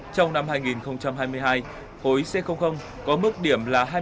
trong năm hai nghìn hai mươi hai hối c có mức điểm là hai mươi chín chín mươi năm